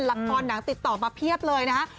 ละครหนังติดต่อมาเพียบเลยนะฮะ